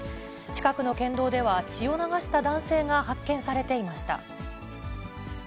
近くの県道では、血を流した男性が発見されていました。